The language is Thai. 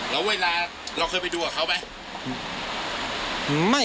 แล้วเวลาเราเคยไปดูกับเขาไหม